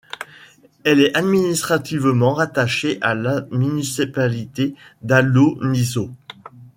Elle est administrativement rattachée à la municipalité d'Alonnisos.